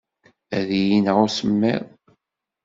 Ad iyi-ineɣ usemmiḍ.